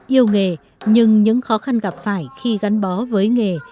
yêu nghề nhưng những khó khăn gặp phải khi gắn bó với nghề